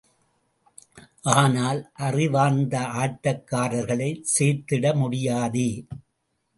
ஆனால், அறிவார்ந்த ஆட்டக்காரர்களைச் சேர்த்திட முடியாதே!